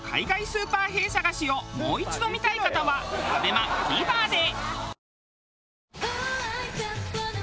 「へぇ」探しをもう一度見たい方はＡＢＥＭＡＴＶｅｒで。